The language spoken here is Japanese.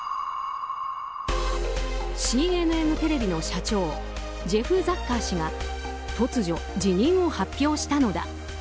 ＣＮＮテレビの社長ジェフ・ザッカー氏が突如、辞任を発表したのだ。